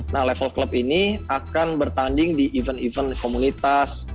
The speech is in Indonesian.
nah level klub ini akan bertanding di event event komunitas